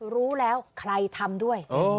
รู้แล้วใครทำด้วย